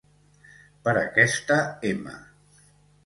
Per aquesta m